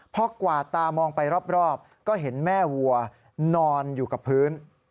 พอกวาดตามองไปรอบก็เห็นแม่วัวนอนอยู่กับพื้น